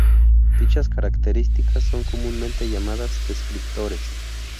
Dichas características son comúnmente llamadas descriptores.